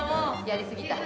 やりすぎた。